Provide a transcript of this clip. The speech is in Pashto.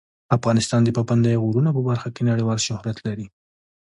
افغانستان د پابندی غرونه په برخه کې نړیوال شهرت لري.